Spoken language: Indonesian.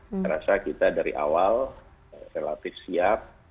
saya rasa kita dari awal relatif siap